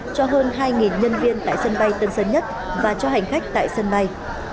cho hơn hai nhân viên tại sân bay tân sơn nhất và cho hành khách tại sân bay